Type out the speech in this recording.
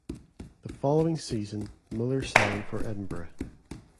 The following season Miller signed for Edinburgh.